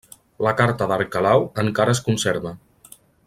La carta d'Arquelau encara es conserva.